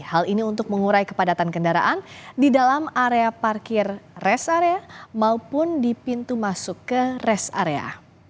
hal ini untuk mengurai kepadatan kendaraan di dalam area parkir rest area maupun di pintu masuk ke rest area